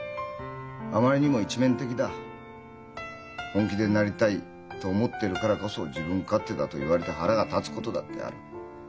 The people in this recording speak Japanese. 本気で「なりたい」と思ってるからこそ「自分勝手だ」と言われて腹が立つことだってある。